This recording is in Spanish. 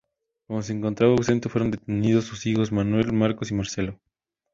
Como se encontraba ausente, fueron detenidos sus hijos Manuel, Marcos y Marcelo.